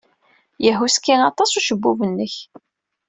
Yehhuski aṭas ucebbub-nnek.